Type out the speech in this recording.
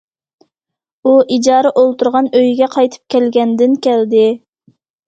ئۇ ئىجارە ئولتۇرغان ئۆيىگە قايتىپ كەلگەندىن كەلدى.